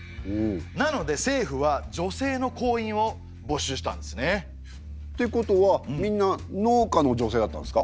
なので政府は女性の工員をぼしゅうしたんですね。ってことはみんな農家の女性だったんですか？